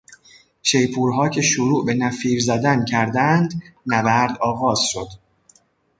شیپورها که شروع به نفیر زدن کردند، نبرد آغاز شد.